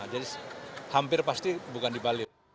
jadi hampir pasti bukan di bali